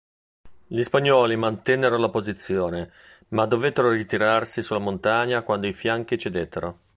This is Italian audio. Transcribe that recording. Gli spagnoli mantennero la posizione ma dovettero ritirarsi sulla montagna quando i fianchi cedettero.